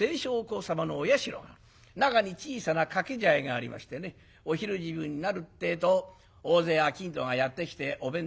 中に小さな掛け茶屋がありましてねお昼時分になるってえと大勢商人がやって来てお弁当を使う。